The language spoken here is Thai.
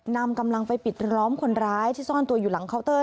นำกำลังไปปิดล้อมคนร้ายที่ซ่อนตัวอยู่หลังเคาน์เตอร์